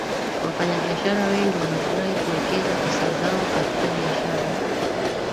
wafanyabiashara wengi wanafurahi kuwekeza pesa zao katika biashara